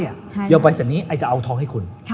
โยใบเสร็จนี้ไอ้จะเอาทองให้คุณ